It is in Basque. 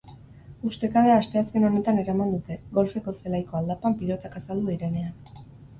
Ustekabea asteazken honetan eraman dute, golfeko zelaiko aldapan pilotak azaldu direnean.